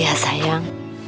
udah mau benahin elang